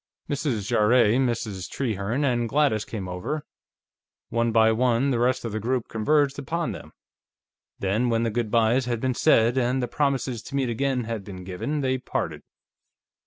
Mrs. Jarrett, Mrs. Trehearne, and Gladys came over; one by one the rest of the group converged upon them. Then, when the good by's had been said, and the promises to meet again had been given, they parted.